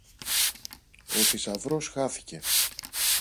Ο θησαυρός χάθηκε!